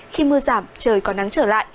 khi mưa giảm trời còn nắng trở lại